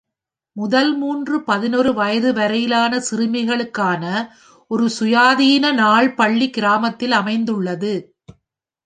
மூன்று முதல் பதினொரு வயது வரையிலான சிறுமிகளுக்கான ஒரு சுயாதீன நாள் பள்ளி கிராமத்தில் அமைந்துள்ளது.